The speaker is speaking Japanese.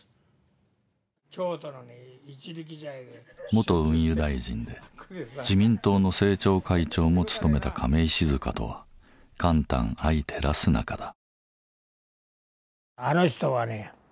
元運輸大臣で自民党の政調会長も務めた亀井静香とは肝胆相照らす仲だ。